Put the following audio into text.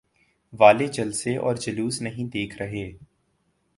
والے جلسے اور جلوس نہیں دیکھ رہے؟